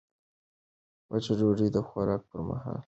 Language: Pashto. وچه ډوډۍ د خوراک پر مهال پر روغتیا اغېز لري.